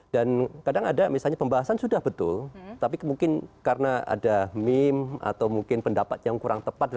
dan kadang ada misalnya pembahasan sudah betul tapi mungkin karena ada meme atau mungkin pendapat yang kurang tepat